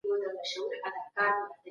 استازي د نویو تړونونو په متن کي څه شاملوي؟